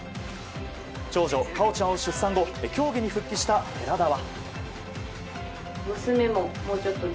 長女・果緒ちゃんを出産後競技に復帰した寺田は。